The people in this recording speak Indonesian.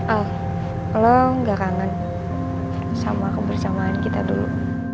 ah lo gak kangen sama kebersamaan kita dulu